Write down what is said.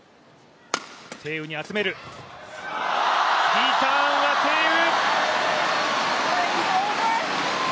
リターンは鄭雨。